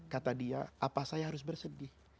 kata dia apa saya harus bersedih